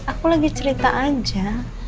aku lagi cerita aja